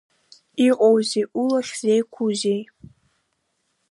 Иҟоузеи, улахь зеиқәузеи?